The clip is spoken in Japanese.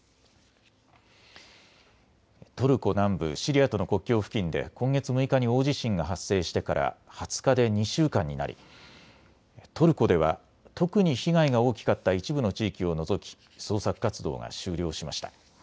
トルコ南部、シリアとの国境付近で今月６日に大地震が発生してから２０日で２週間になりトルコでは特に被害が大きかった一部の地域を除き捜索活動が終了しました。